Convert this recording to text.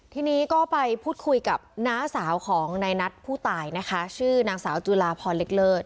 ทีนี้ก็ไปพูดคุยกับน้าสาวของนายนัทผู้ตายนะคะชื่อนางสาวจุลาพรเล็กเลิศ